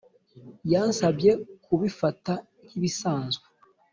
Yansabye kubifata nk’ibisanzwe